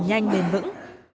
phát triển nhanh mềm vững